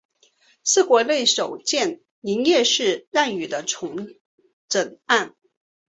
是国内首件营业式让与的重整案。